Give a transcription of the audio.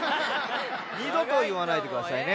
にどといわないでくださいね。